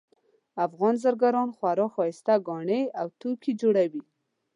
افغان زرګران خورا ښایسته ګاڼه او توکي جوړوي